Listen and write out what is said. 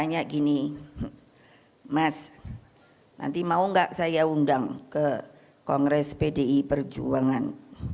nanti mau gak saya undang ke kongres pdi perjuangan